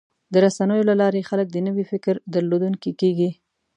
د رسنیو له لارې خلک د نوي فکر درلودونکي کېږي.